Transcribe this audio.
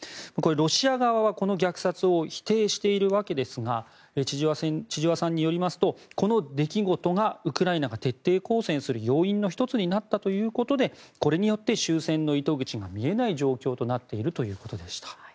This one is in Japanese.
ロシア側はこの虐殺を否定しているわけですが千々和さんによりますとこの出来事がウクライナが徹底抗戦する要因の１つになったということでこれによって終戦の糸口が見えない状況となっているということでした。